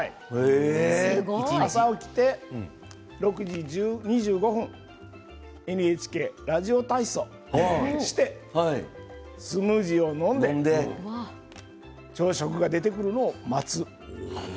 朝、起きて６時２５分ＮＨＫラジオ体操をしてスムージーを飲んで朝食が出てくるのを待つ。